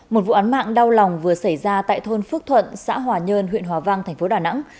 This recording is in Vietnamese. một vụ án mạng đau lòng vừa xảy ra tại thôn phước thuận xã hòa nhơn huyện hòa văng tp đà nẵng